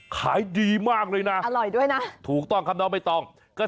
ขายดีมากเลยนะถูกต้องครับน้องไม่ต้องอร่อยด้วยนะ